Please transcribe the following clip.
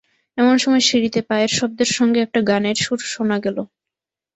এমন সময় সিঁড়িতে পায়ের শব্দের সঙ্গে একটা গানের সুর শোনা গেল।